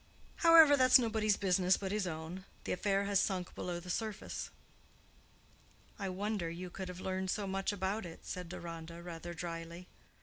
However, that's nobody's business but his own. The affair has sunk below the surface." "I wonder you could have learned so much about it," said Deronda, rather drily.